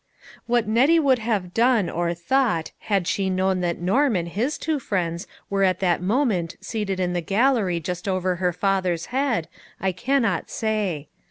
What Nettie would have done or thought had she known that Norm and two friends were at that moment seated in the gallery just over her father's head, I cannot say.